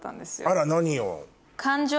あら何よ？